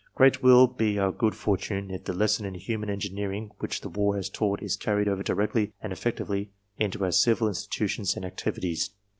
Great will be our good fortune if the lesson in human engineering which the war has taught is carried over directly and effectively into our civil institutions and activities.